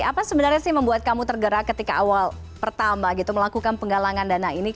apa sebenarnya sih membuat kamu tergerak ketika awal pertama gitu melakukan penggalangan dana ini